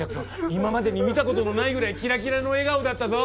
今までに見たことのないぐらいきらきらの笑顔だったぞ。